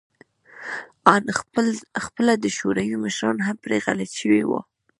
آن خپله د شوروي مشران هم پرې غلط شوي وو